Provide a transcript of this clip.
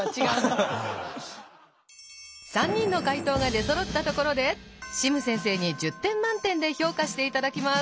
３人の解答が出そろったところでシム先生に１０点満点で評価していただきます。